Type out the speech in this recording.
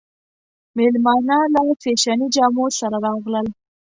مېلمانه له فېشني جامو سره راغلل.